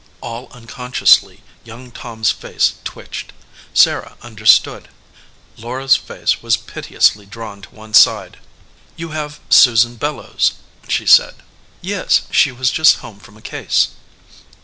All unconsciously, young Tom s face twitched. Sarah understood. Laura s face was piteously drawn to one side. "You have Susan Bellows," she said. "Yes, she was just home from a case."